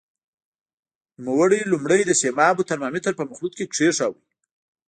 نوموړی لومړی د سیمابو ترمامتر په مخلوط کې کېښود.